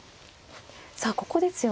さあここですよね。